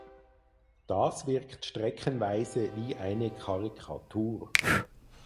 Das wirkt streckenweise wie eine Karikatur.